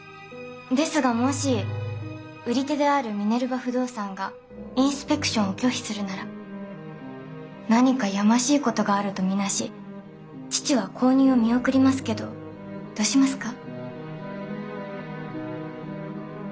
ですがもし売り手であるミネルヴァ不動産がインスペクションを拒否するなら何かやましいことがあると見なし父は購入を見送りますけどどうしますか？